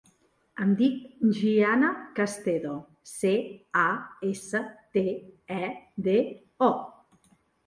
Em dic Gianna Castedo: ce, a, essa, te, e, de, o.